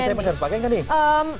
ini saya masih harus pakai gak nih